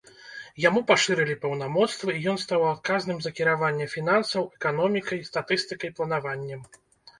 Яму пашырылі паўнамоцтвы, і ён стаў адказным за кіраванне фінансаў, эканомікай, статыстыкай, планаваннем.